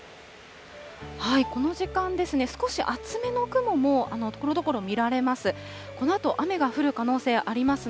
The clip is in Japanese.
この時間ですね、少し厚めの雲もところどころ見られます。